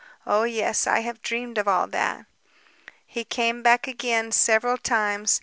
Oh yes ... I have dreamed of all that. "He came back again ... several times